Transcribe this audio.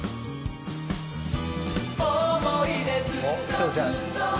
翔ちゃん。